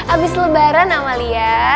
abis lebaran amalia